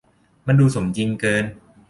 มันดูสมจริงเกิน